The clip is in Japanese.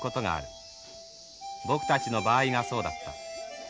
僕たちの場合がそうだった。